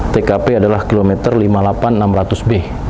tkp adalah kilometer lima puluh delapan enam ratus b